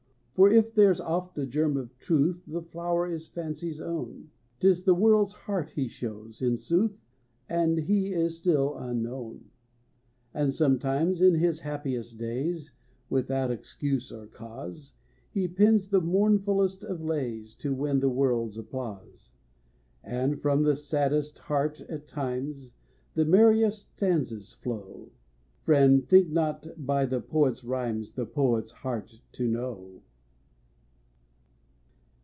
For if there's oft a germ of truth, The flower is fancy's own. 'Tis the world's heart he shows, in sooth, And his is still unknown. And sometimes in his happiest days, Without excuse or cause, He pens the mournfullest of lays, To win the world's applause. And from the saddest heart, at times, The merriest stanzas flow. Friend, think not by the poet's rhymes The poet's heart to know.